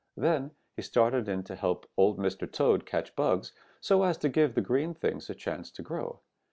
Then he started in to help Old Mr. Toad catch bugs so as to give the green things a chance to grow.